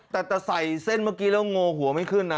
แต่จะใส่เส้นเมื่อกี้แล้วโง่หัวไม่ขึ้นนะ